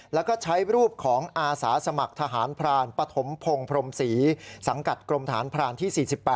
แล้วก็ใช้รูปของอาสาสมัครทหารพรานปฐมพงศ์พรมศรีสังกัดกรมฐานพรานที่๔๘